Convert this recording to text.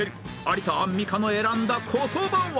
有田・アンミカの選んだ言葉は？